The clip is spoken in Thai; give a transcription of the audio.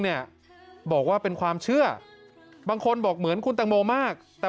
เนี่ยบอกว่าเป็นความเชื่อบางคนบอกเหมือนคุณตังโมมากแต่